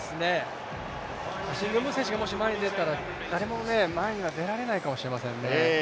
アシング・ムー選手が前に出たら誰も前に出られないかもしれませんね。